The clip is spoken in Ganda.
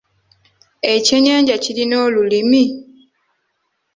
Ekyennyanja kirina olulimi?